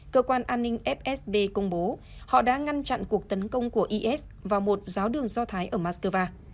cơ quan an ninh fsb công bố họ đã ngăn chặn cuộc tấn công của is vào một giáo đường do thái ở moscow